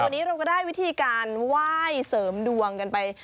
วันนี้เราก็ได้วิธีการไหว้เสริมดวงกันไป